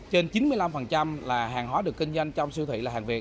trên chín mươi năm là hàng hóa được kinh doanh trong siêu thị là hàng việt